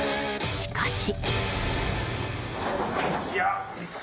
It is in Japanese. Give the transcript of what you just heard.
しかし。